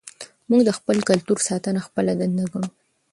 موږ د خپل کلتور ساتنه خپله دنده ګڼو.